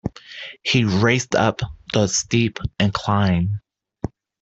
He raced up the steep incline.